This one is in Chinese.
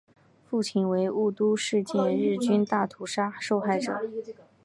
父亲为雾社事件日军大屠杀受害者。